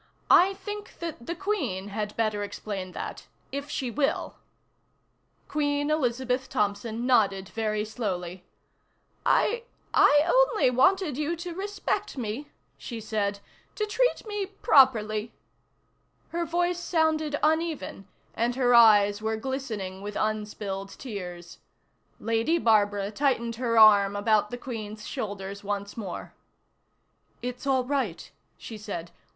"I think that the Queen had better explain that if she will." Queen Elizabeth Thompson nodded very slowly. "I I only wanted you to respect me," she said. "To treat me properly." Her voice sounded uneven, and her eyes were glistening with unspilled tears. Lady Barbara tightened her arm about the Queen's shoulders once more. "It's all right," she said.